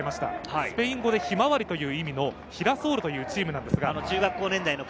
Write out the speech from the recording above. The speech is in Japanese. スペイン語でヒマワリという意味のヒラソールというチームです。